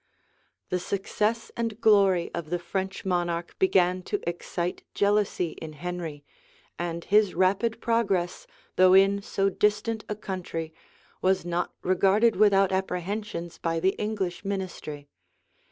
The success and glory of the French monarch began to excite jealousy in Henry; and his rapid progress, though in so distant a country, was not regarded without apprehensions by the English ministry.